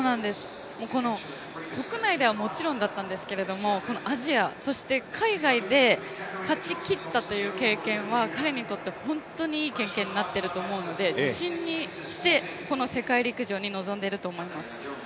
この国内ではもちろんだったんですけどアジア、そして海外で勝ちきったという経験は彼にとって本当にいい経験になってると思うので自信にして世界陸上に臨んでいると思います。